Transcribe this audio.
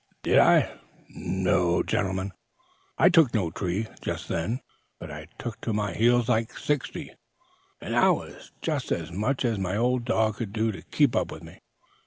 "Did I? No, gentlemen, I took no tree just then, but I took to my heels like sixty, and it was just as much as my old dog could do to keep up with me.